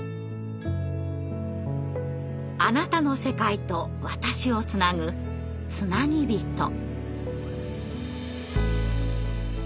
あなたの世界と私をつなぐつなぎびと。